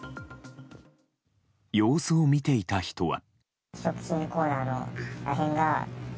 様子を見ていた人は。